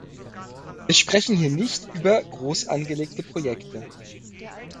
Wir sprechen hier nicht über großangelegte Projekte.